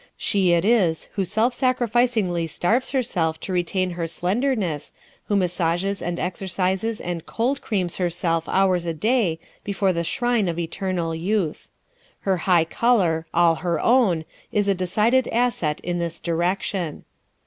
She it is who self sacrificingly starves herself to retain her slenderness, who massages and exercises and "cold creams" herself hours a day before the shrine of Eternal Youth. Her high color, "all her own," is a decided asset in this direction.